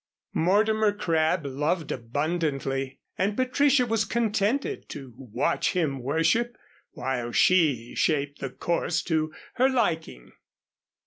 Mortimer Crabb loved abundantly, and Patricia was contented to watch him worship, while she shaped the course to her liking.